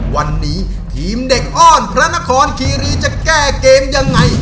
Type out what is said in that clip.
วันนี้ทีมเด็กอ้อนพระนครคีรีจะแก้เกมยังไง